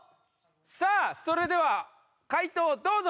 さあそれでは解答どうぞ！